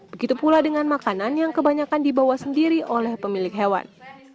begitu pula dengan makanan yang kebanyakan dibawa sendiri oleh pemilik hewan